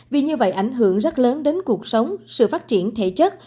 vì như vậy ảnh hưởng rất lớn đến cuộc sống sự phát triển thể chất